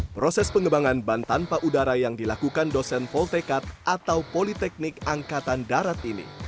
proses pengembangan ban tanpa udara yang dilakukan dosen voltekat atau politeknik angkatan darat ini